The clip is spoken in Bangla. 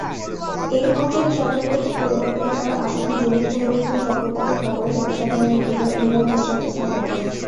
এই অঞ্চলে সরকার কর্তৃক পরিকল্পনা করা আসন্ন জমি পুনরুদ্ধার সম্পর্কিত খবরে জনসাধারণ এক বিরল দৃষ্টান্ত স্থাপন করে।